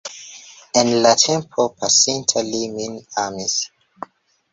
En la tempo pasinta li min amis.